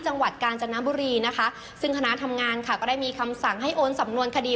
จังหวัดกาญจนบุรีนะคะซึ่งคณะทำงานค่ะก็ได้มีคำสั่งให้โอนสำนวนคดี